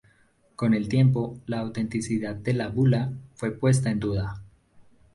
Con el tiempo, la autenticidad de la bula, fue puesta en duda.